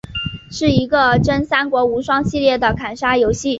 是一个真三国无双系列的砍杀游戏。